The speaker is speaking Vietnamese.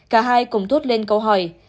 cả hai cùng thốt lên câu hỏi